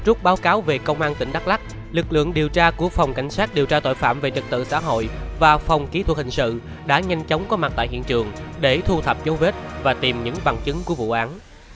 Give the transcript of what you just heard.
trước báo cáo về công an tỉnh đắk lắc lực lượng điều tra của phòng cảnh sát điều tra tội phạm về trật tự xã hội và phòng kỹ thuật hình sự đã nhanh chóng có mặt tại hiện trường để thu thập dấu vết và tìm những bằng chứng của vụ án